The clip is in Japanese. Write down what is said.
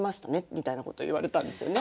みたいなことを言われたんですよね。